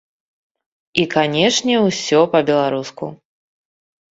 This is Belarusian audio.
І, канешне, усё па-беларуску!